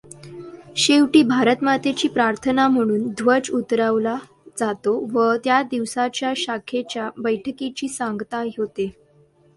शेवटी भारतमातेची प्रार्थना म्हणून ध्वज उतरवला जातो व त्या दिवसाच्या शाखेच्या बैठकीची सांगता होते.